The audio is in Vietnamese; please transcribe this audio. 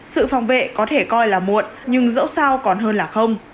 sự phòng vệ có thể coi là muộn nhưng dẫu sao còn hơn là không